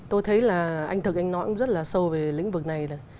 tôi thấy là anh thực anh nói cũng rất là sâu về lĩnh vực này rồi